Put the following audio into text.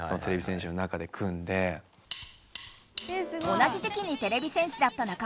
同じ時期にてれび戦士だった仲間